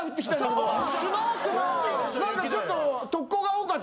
何かちょっと。